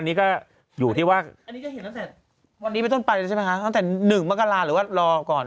อันนี้ก็เห็นตั้งแต่วันนี้เป็นตอนไปใช่ไหมคะตั้งแต่๑มกราหรือว่ารอก่อน